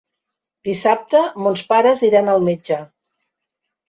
Dissabte mons pares iran al metge.